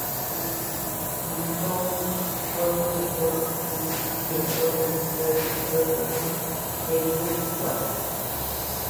McDougall fue productor ejecutivo y director del episodio piloto de "The Good Wife".